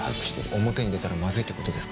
表に出たらまずいってことですか。